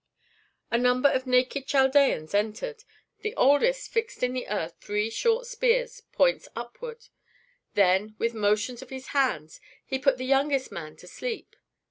A number of naked Chaldeans entered. The oldest fixed in the earth three short spears, points upward; then, with motions of his hands, he put the youngest man to sleep.